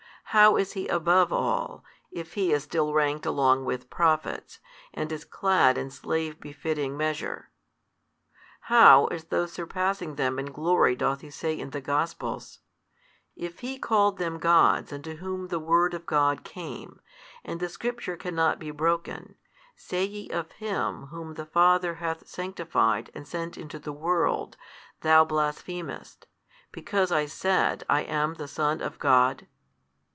how is He above all, if He is still ranked along with Prophets, and is clad in slave befitting measure? How, as though surpassing them in glory doth He say in the Gospels, If He called them gods unto whom the Word of God came, and the Scripture cannot be broken, say ye of Him Whom the Father hath sanctified and sent into the world, Thou blasphemest: because I said, I am the Son of God?